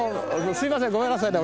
すいませんごめんなさいね。